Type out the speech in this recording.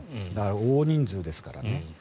大人数ですからね。